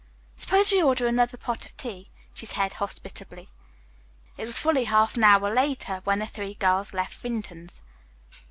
"Suppose we order another pot of tea," she said hospitably. It was fully half an hour later when the three girls left Vinton's.